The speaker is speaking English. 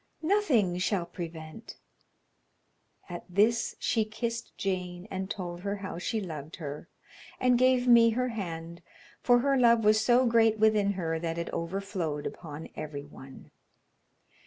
Nothing shall prevent." At this she kissed Jane and told her how she loved her, and gave me her hand, for her love was so great within her that it overflowed upon every one.